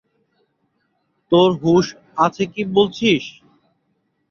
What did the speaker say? তোর হুশ আছে কি বলছিস?